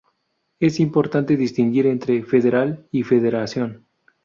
Es importante distinguir entre "federal" y "federación".